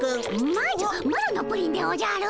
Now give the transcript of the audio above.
まずマロのプリンでおじゃる。